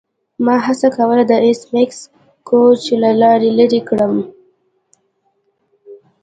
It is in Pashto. ما هڅه کوله د ایس میکس کوچ له لارې لیرې کړم